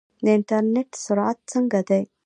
د انټرنیټ سرعت څنګه دی؟